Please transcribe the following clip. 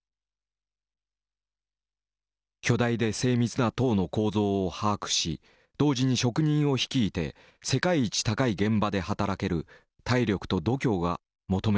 巨大で精密な塔の構造を把握し同時に職人を率いて世界一高い現場で働ける体力と度胸が求められた。